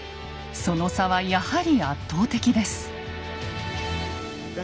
その差はやはり圧倒的です。